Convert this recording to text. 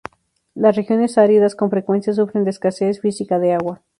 Las regiones áridas con frecuencia sufren de escasez física de agua.